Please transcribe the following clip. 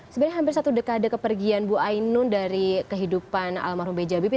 sebenarnya hampir satu dekade kepergian bu ainun dari kehidupan almarhum b j habibie